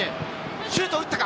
シュートを打ったか。